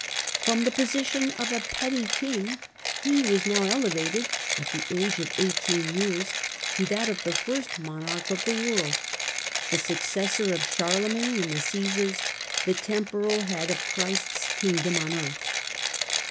From the position of a petty king he was now elevated, at the age of eighteen years, to that of the first monarch of the world, the successor of Charlemagne and the Caesars, the temporal head of Christ's kingdom on earth.